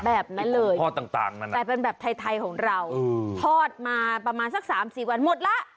แบบนั้นเลยแต่เป็นแบบไทยของเราทอดมาประมาณสัก๓๔วันหมดละ